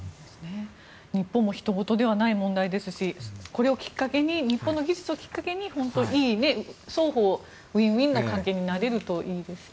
日本もひと事ではない問題ですしこれをきっかけに日本の技術をきっかけに双方、ウィンウィンな関係になれるといいですね。